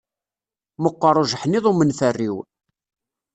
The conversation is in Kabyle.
Meqqeṛ ujeḥniḍ umenferriw.